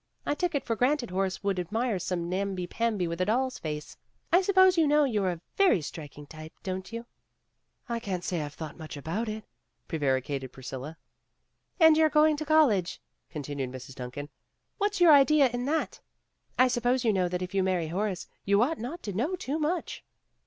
I took it for granted Horace would admire some namby pamby with a doll's face. I suppose you know you're a very striking type, don't you?''' "I can't say I've thought much about it," prevaricated Priscilla. "And you're going to college," continued Mrs. Duncan. "What's your idea in that? I suppose you know that if you marry Horace, you ought not to know too much.